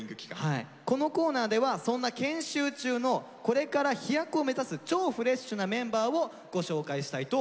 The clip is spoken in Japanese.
このコーナーではそんな研修中のこれから飛躍を目指す超フレッシュなメンバーをご紹介したいと思います。